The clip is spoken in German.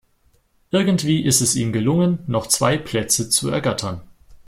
Irgendwie ist es ihm gelungen, noch zwei Plätze zu ergattern.